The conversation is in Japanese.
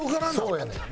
そうやねん。